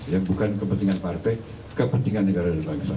yang bukan kepentingan partai kepentingan negara dan bangsa